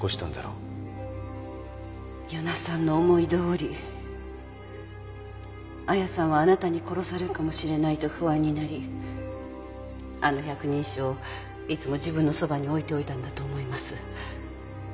与那さんの思いどおり亜矢さんはあなたに殺されるかもしれないと不安になりあの百人一首をいつも自分のそばに置いておいたんだと思います。